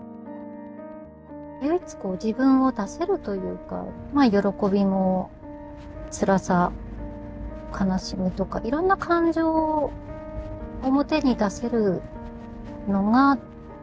唯一こう自分を出せるというか喜びもつらさ悲しみとかいろんな感情を表に出せるのが多分小説。